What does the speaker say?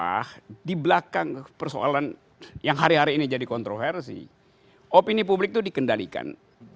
karena di belakang persoalan yang hari hari ini jadi kontroversi opini publik itu dikendalikan